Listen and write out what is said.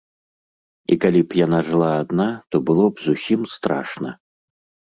І калі б яна жыла адна, то было б зусім страшна.